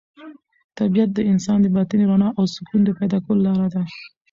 طبیعت د انسان د باطني رڼا او سکون د پیدا کولو لاره ده.